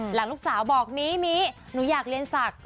หลังลูกสาวบอกมีมีหนูอยากเรียนศักดิ